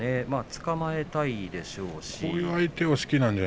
つかまえたいでしょうし。